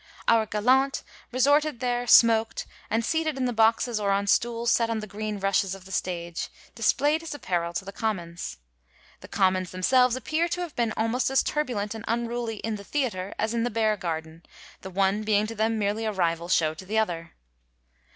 Our gallant resorted there, smoked, and, seated in the hoxes or on stools set on the green rushes of the stage, displayd his apparel to the commons. The commons themselves appear to have been almost as turbulent and unruly in the theatre as in the bear garden, the one being to them merely a rival show to the other.